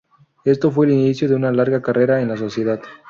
Este fue el inicio de una larga carrera en la Sociedad.